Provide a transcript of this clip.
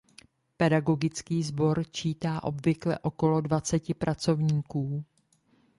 Pedagogický sbor čítá obvykle okolo dvaceti pracovníků.